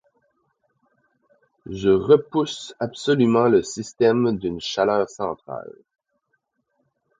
Je repousse absolument le système d’une chaleur centrale.